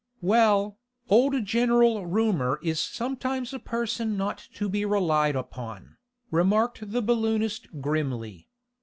"Well, old General Rumor is sometimes a person not to be relied upon," remarked the balloonist grimly.